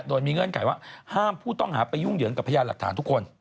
โดยมีเงื่อนไขว่าห้ามผู้ต้องหาไปยุ่งเหยิงกับพยานหลักฐานทุกคน